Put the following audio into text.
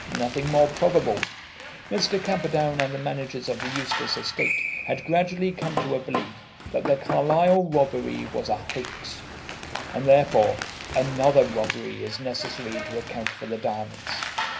Nothing more probable. Mr. Camperdown and the managers of the Eustace estate had gradually come to a belief that the Carlisle robbery was a hoax, and, therefore, another robbery is necessary to account for the diamonds.